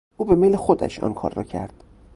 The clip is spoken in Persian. او به میل خودش آن کار را کرد.